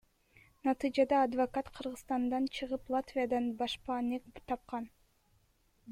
Натыйжада адвокат Кыргызстандан чыгып Латвиядан башпаанек тапкан.